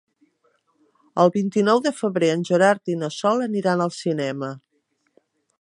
El vint-i-nou de febrer en Gerard i na Sol aniran al cinema.